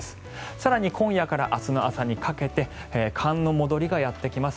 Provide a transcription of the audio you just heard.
更に今夜から明日の朝にかけて寒の戻りがやってきます。